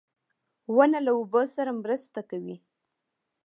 • ونه له اوبو سره مرسته کوي.